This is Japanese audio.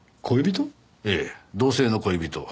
ええ同性の恋人。